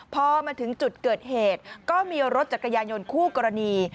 พอมาถึงจุดเกิดเหตุก็มีรถจักรยานยนต์คู่กรณี